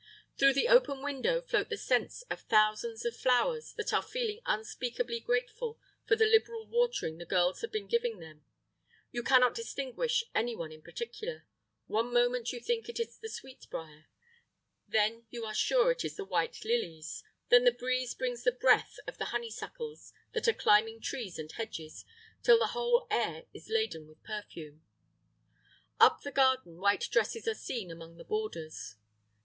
Through the open window float in the scents of thousands of flowers that are feeling unspeakably grateful for the liberal watering the girls have been giving them; you cannot distinguish any one in particular; one moment you think it is the sweet briar, then you are sure it is the white lilies, then the breeze brings the breath of the honeysuckles that are climbing trees and hedges, till the whole air is laden with perfume. Up the garden white dresses are seen among the borders.